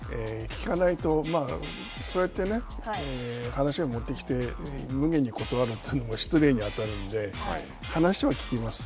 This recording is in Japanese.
聞かないと、そうやってね、話を持ってきて、むげに断るというのも失礼に当たるんで話は聞きます。